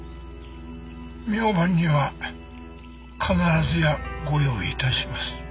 明晩には必ずやご用意致します。